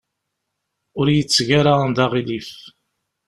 Ur iyi-tteg ara d aɣilif.